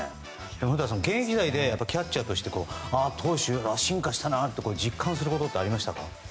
古田さん、現役時代でキャッチャーとして投手が進化したなと実感することはありましたか？